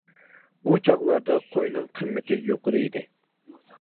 ئۇ چاغلاردا قوينىڭ قىممىتى يۇقىرى ئىدى.